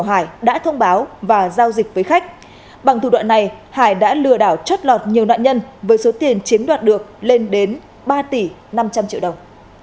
hải đã thông báo và giao dịch với khách bằng thủ đoạn này hải đã lừa đảo chót lọt nhiều nạn nhân với số tiền chiếm đoạt được lên đến ba tỷ năm trăm linh triệu đồng